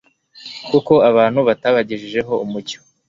kuko abantu batabagejejeho umucyo;